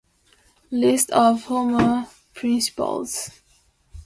List of former principals.